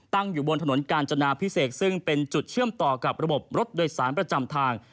อยู่บนถนนกาญจนาพิเศษซึ่งเป็นจุดเชื่อมต่อกับระบบรถโดยสารประจำทาง